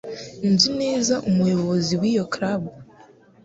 Nzi neza umuyobozi wiyo club.